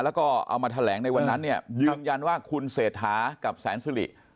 แล้วก็เอามาแถลงในวันนั้นเนี่ยยืนยันว่าคุณเศรษฐากับแสนสิริ